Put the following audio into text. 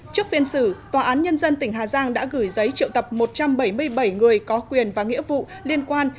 trước phiên xử tòa án nhân dân tỉnh hà giang đã gửi giấy triệu tập một trăm bảy mươi bảy người có quyền và nghĩa vụ liên quan